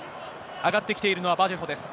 上がってきているのはバジェホです。